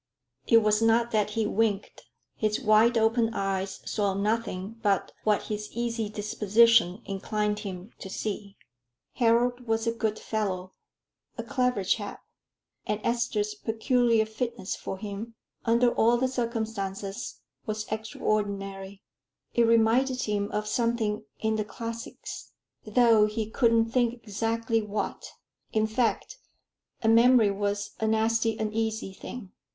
It was not that he winked; his wide open eyes saw nothing but what his easy disposition inclined him to see. Harold was a good fellow, a clever chap; and Esther's peculiar fitness for him, under all the circumstances, was extraordinary; it reminded him of something in the classics, though he couldn't think exactly what in fact, a memory was a nasty uneasy thing.